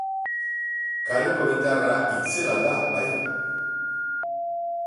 Kaleko indarra itzela da, bai.